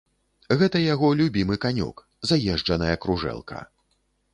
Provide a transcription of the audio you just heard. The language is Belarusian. Гэта яго любімы канёк, заезджаная кружэлка.